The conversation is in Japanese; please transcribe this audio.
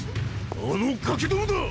あのガキどもだ！